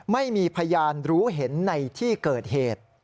ไม่มีพยานรู้เห็นในที่เกิดเหตุ